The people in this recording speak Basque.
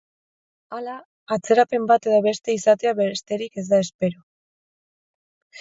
Hala, atzerapen bat edo beste izatea besterik ez da espero.